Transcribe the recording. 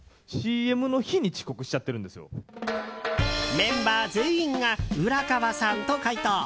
メンバー全員が浦川さんと回答。